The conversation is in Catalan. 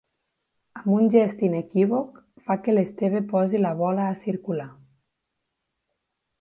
Amb un gest inequívoc fa que l'Esteve posi la bola a circular.